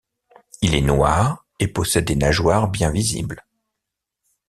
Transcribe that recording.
Il est noir et possède des nageoires bien visibles.